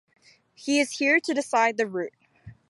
He is here to decide the route.